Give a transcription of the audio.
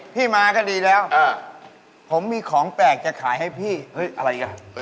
มีใบประกอบอนุญาตหรือเปล่า